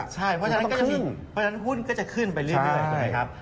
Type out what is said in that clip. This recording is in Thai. ใช่เพราะฉะนั้นหุ้นก็จะขึ้นไปเรื่อยเลยครับ